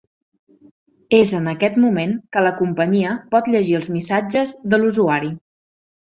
És en aquest moment que la companyia pot llegir els missatges de l’usuari.